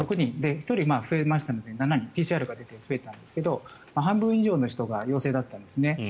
１人、増えましたので７人ＰＣＲが出て増えたんですが半分以上の人が陽性だったんですね。